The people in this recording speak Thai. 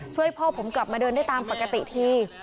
ช่วยพ่อผมกลับมาเดินได้ตามปกติที